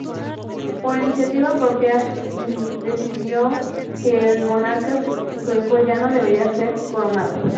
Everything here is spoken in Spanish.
Por iniciativa propia decidió que el monarca sueco ya no debía ser coronado.